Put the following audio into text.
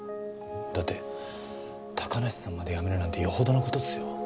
だって高梨さんまで辞めるなんてよほどの事っすよ。